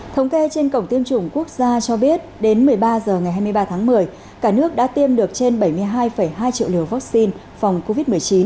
thống kê trên cổng tiêm chủng quốc gia cho biết đến một mươi ba h ngày hai mươi ba tháng một mươi cả nước đã tiêm được trên bảy mươi hai hai triệu liều vaccine phòng covid một mươi chín